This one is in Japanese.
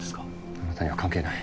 あなたには関係ない。